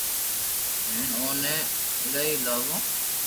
ھين اوني اونلائي لاوو